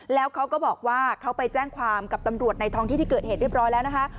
แล้วเขาก็บอกว่าเขาไปแจ้งความกับตำรวจในท้องที่ที่เกิดเหตุเรียบร้อยแล้วนะคะ